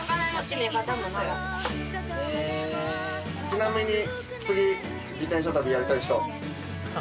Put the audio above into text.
ちなみに。